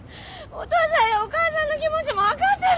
お父さんやお母さんの気持ちも分かってる！